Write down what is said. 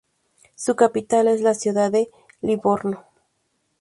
Su capital es la ciudad de Livorno.